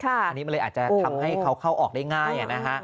อันนี้มันเลยอาจจะทำให้เขาเข้าออกได้ง่ายนะฮะ